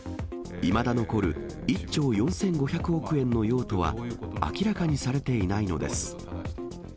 いまだ残る１兆４５００億円の用途は、明らかにされていないのです。